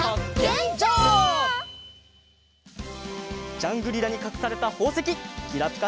ジャングリラにかくされたほうせききらぴか